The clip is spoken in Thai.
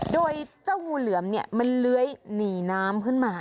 โดยเจ้างูเหลือมเนี่ยมันเลื้อยหนีน้ำขึ้นมา